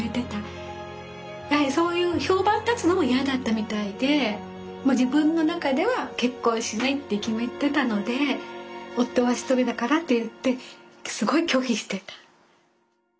やはりそういう評判立つのも嫌だったみたいでもう自分の中では結婚しないって決めてたので夫は一人だからって言ってすごい拒否してた。